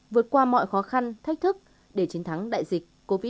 vượt qua mọi khó khăn thách thức để chiến thắng đại dịch covid một mươi chín